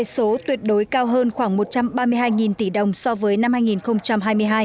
số tuyệt đối cao hơn khoảng một trăm ba mươi hai tỷ đồng so với năm hai nghìn hai mươi hai